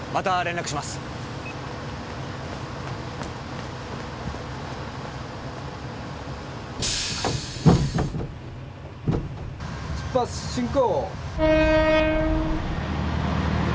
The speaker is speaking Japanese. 出発進行。